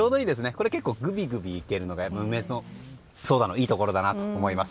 これ、結構ぐびぐびいけるのが梅ソーダのいいところだと思います。